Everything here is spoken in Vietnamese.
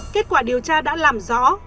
kết quả điều tra đã làm rõ